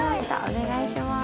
お願いします。